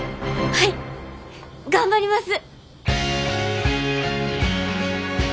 はい頑張ります！